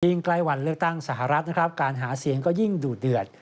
ใกล้วันเลือกตั้งสหรัฐนะครับการหาเสียงก็ยิ่งดูดเดือด